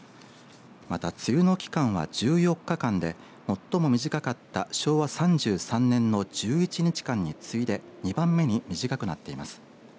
また梅雨の期間は１４日間で最も短かった昭和３３年の１１日間に次いで２番目に短くなっています。